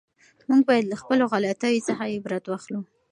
موږ باید له خپلو غلطیو څخه عبرت واخلو.